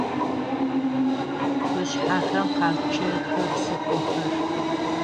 Къушъхьэхэм къячъэхы псыхъохэр.